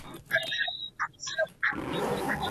د حافظې ډولونه په مختلفو شرایطو کي کارول کیږي.